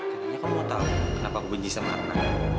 katanya kamu mau tau kenapa aku benci sama arna